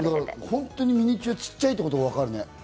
本当にミニチュアがちっちゃいのがわかるね。